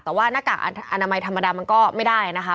แต่ว่าหน้ากากอนามัยธรรมดามันก็ไม่ได้นะคะ